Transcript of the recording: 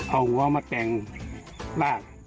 เอาหัวมาแต่งบ้าน